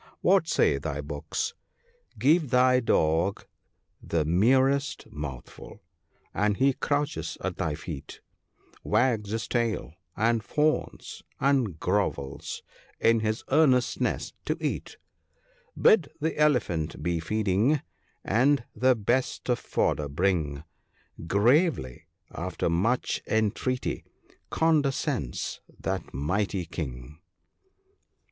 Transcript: What say the books ?—" Give thy Dog the merest mouthful, and he crouches at thy feet, Wags his tail, and fawns, and grovels, in his eagerness to eat ; Bid the Elephant be feeding, and the best of fodder bring ; Gravely — after much entreaty — condescends that mighty king."